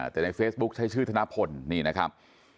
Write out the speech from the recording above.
แต่ในเฟซบุ๊คใช้ชื่อธนพลนี่นะครับ